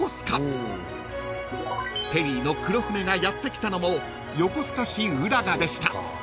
［ペリーの黒船がやって来たのも横須賀市浦賀でした］